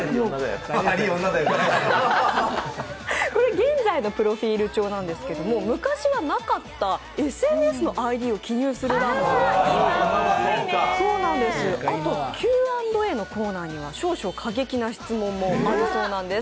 現在のプロフィール帳なんですけど昔はなかったＳＮＳのＩＤを記入する欄もあってあとＱ＆Ａのコーナーには過激な質問もあるそうです。